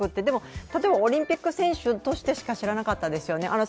でも例えばオリンピック選手としてしか知らなかったんですよね